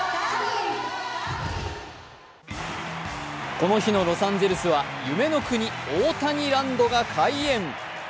この日のロサンゼルスは夢の国・大谷ランドが開園。